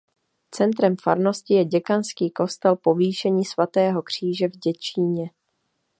Centrem farnosti je děkanský kostel Povýšení svatého Kříže v Děčíně.